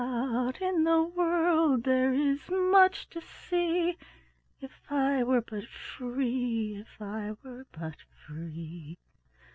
Out in the world there is much to see, If I were but free! If I were but free!